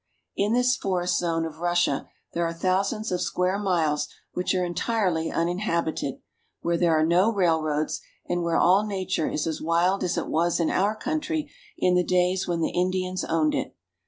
In this forest zone of Russia there are thousands of square miles which are entirely uninhabited, where there are no railroads, and where all nature is as wild as it was in our country in the days when the Indians owned it.